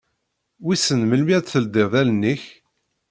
Wissen melmi ara d-teldiḍ allen-ik?